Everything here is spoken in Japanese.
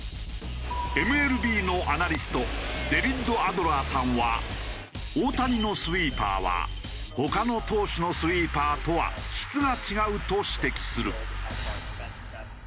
ＭＬＢのアナリストデビッド・アドラーさんは大谷のスイーパーは他の投手のスイーパーとは質が違うと指摘する。